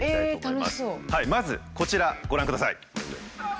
まずこちらご覧ください。